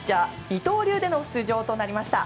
二刀流での出場となりました。